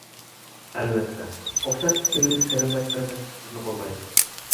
ئەلۋەتتە، ئوخشاش پىكىرلىك قېرىنداشلىرىمىز سىزنى قوللايدۇ!